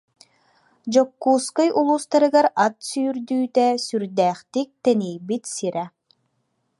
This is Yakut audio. Дьокуускай улуустарыгар ат сүүрдүүтэ сүрдээхтик тэнийбит сирэ